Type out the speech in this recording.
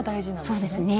そうですね。